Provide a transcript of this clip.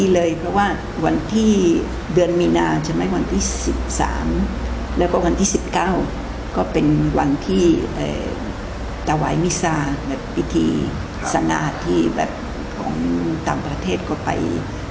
แล้วก็วันที่๑๙ก็เป็นวันที่ตะวายมิศาพิธีสงาที่แบบของตามประเทศก็ไป